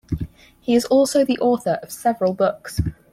He is also the author of several books.